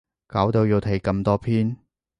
搞到要睇咁多篇